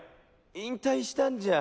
引退したんじゃ。